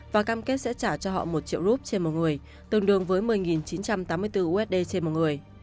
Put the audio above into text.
và cam kết sẽ trả cho họ một triệu rup trên một người tương đương với một mươi chín trăm tám mươi bốn usd trên một người